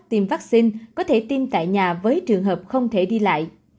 tiêm vaccine có thể tiêm tại nhà với trường hợp không thể đi lại